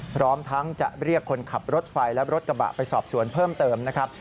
พร้อมทั้งจะเรียกคนขับรถไฟและรถกระบะไปสอบสวนเพิ่มเติมนะครับ